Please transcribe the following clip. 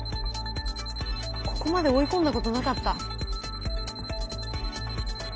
ここまで追い込んだことなかった。